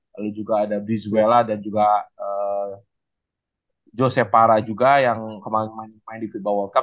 lalu juga ada brizuela dan juga josep para juga yang kemarin main di fiba world cup